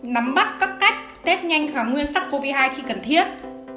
nắm bắt các cách test nhanh kháng nguyên sars cov hai khi cần thiết